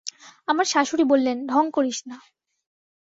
আমার শাশুড়ি বললেন, ঢং করিস না।